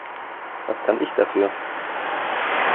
Was kann ich dafür?